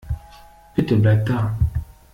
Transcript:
Bitte, bleib da.